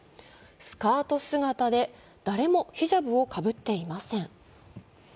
スカート姿で、誰もヒジャブをかぶっていません。